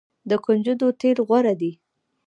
د کنجدو تیل غوره دي.